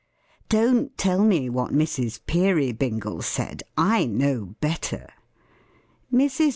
Don't tell me what Mrs. Peerybingle said. I know better. Mrs.